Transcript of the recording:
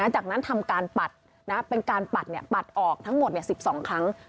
จากนั้นทำการปัดเป็นการปัดปัดออกทั้งหมด๑๒ครั้ง